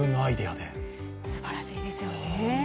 すばらしいですよね。